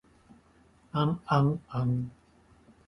あんあんあ ｎ